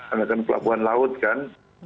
anggaran pelabuhan laut kan